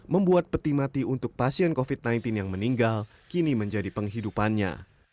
membuat peti mati untuk pasien covid sembilan belas yang meninggal kini menjadi penghidupannya